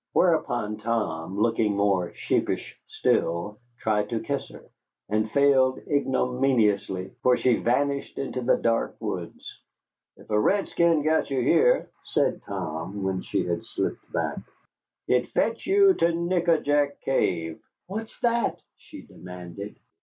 Whereupon Tom, looking more sheepish still, tried to kiss her, and failed ignominiously, for she vanished into the dark woods. "If a redskin got you here," said Tom, when she had slipped back, "he'd fetch you to Nick a jack Cave." "What's that?" she demanded.